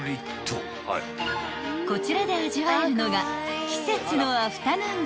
［こちらで味わえるのが］